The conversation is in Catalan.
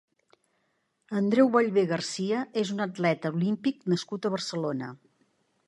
Andreu Ballbé Garcia és un atleta olímpic nascut a Barcelona.